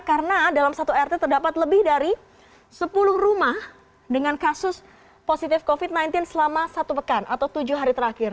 karena dalam satu rt terdapat lebih dari sepuluh rumah dengan kasus positif covid sembilan belas selama satu pekan atau tujuh hari terakhir